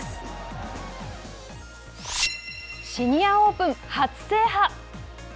シニアオープン初制覇！